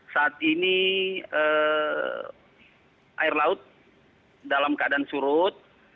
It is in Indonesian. saat ini air laut dalam keadaan surut